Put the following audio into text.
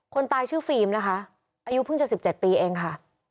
คนตายชื่อฟิล์มนะคะอายุเพิ่งจะ๑๗ปีเองค่ะ